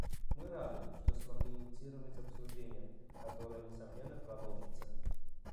Мы рады, что смогли инициировать обсуждение, которое, несомненно, продолжится.